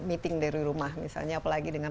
meeting dari rumah misalnya apalagi dengan